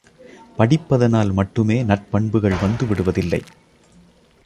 படிப்பதனால் மட்டுமே நற்பண்புகள் வந்து விடுவதில்லை.